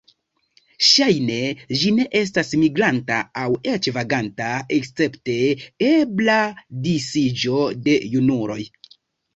Ŝajne ĝi ne estas migranta aŭ eĉ vaganta escepte ebla disiĝo de junuloj.